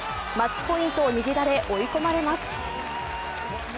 マッチポイントを握られ追い込まれます。